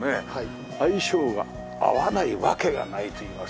相性が合わないわけがないといいますか。